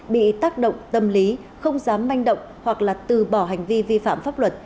bị tác động tâm lý không dám manh động hoặc là từ bỏ hành vi vi phạm pháp luật